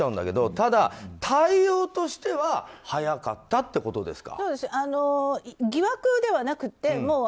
ただ対応としては早かったってことですか。